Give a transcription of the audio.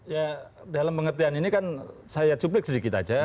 ya dalam pengertian ini kan saya cuplik sedikit saja